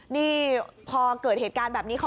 นี่พอเกิดเหตุการณ์อย่างนี้ค่ะ